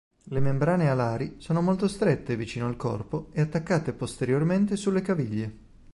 Le membrane alari sono molto strette vicino al corpo e attaccate posteriormente sulle caviglie.